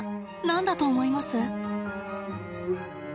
何だと思います？